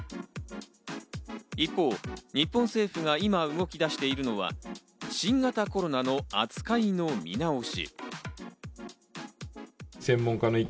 一方、日本政府が今動き出しているのは、新型コロナの扱いの見直し。